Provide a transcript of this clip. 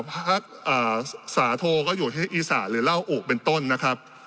พักสาโทก็อยู่ที่อีสานหรือเหล้าอุเป็นต้นนะครับ